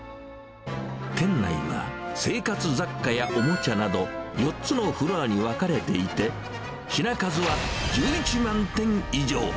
店内は、生活雑貨やおもちゃなど、４つのフロアに分かれていて、品数は１１万点以上。